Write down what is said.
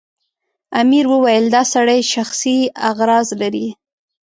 امیر وویل دا سړی شخصي اغراض لري.